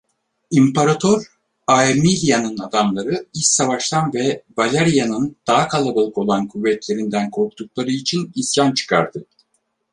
İmparator Aemilian'ın adamları iç savaştan ve Valerian'ın daha kalabalık olan kuvvetlerinden korktukları için isyan çıkardı.